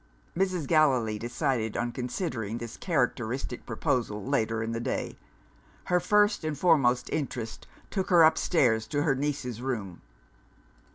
Mrs. Gallilee decided on considering this characteristic proposal later in the day. Her first and foremost interest took her upstairs to her niece's room.